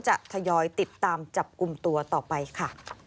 ทยอยติดตามจับกลุ่มตัวต่อไปค่ะ